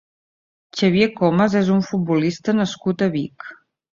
Xavier Comas és un futbolista nascut a Vic.